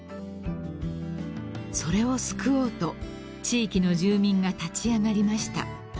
［それを救おうと地域の住民が立ち上がりました］